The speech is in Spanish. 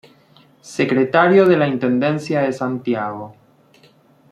Secretario de la Intendencia de Santiago.